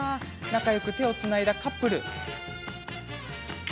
仲よく手をつないだカップル。